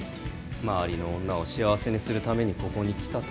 周りの女を幸せにするためにここに来たと。